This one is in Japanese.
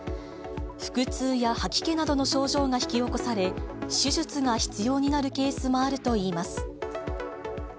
腹痛や吐き気などの症状が引き起こされ、手術が必要になるケースもあるといいます。